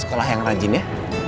sekolah yang rajin ya